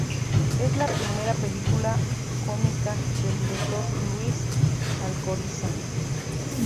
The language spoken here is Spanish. Es la primera película cómica del director Luis Alcoriza.